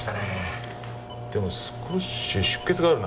でも少し出血があるな。